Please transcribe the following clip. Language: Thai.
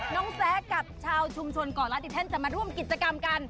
น้องแซ๊กกับชาวชุมชนก่อรัฐิเท่นจะมาร่วมกิจกรรมกัน